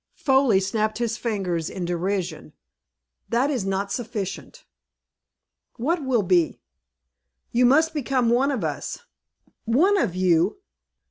Foley snapped his fingers in derision. "That is not sufficient." "What will be?" "You must become one of us." "One of you!"